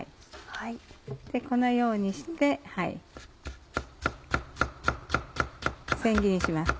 このようにして千切りにします。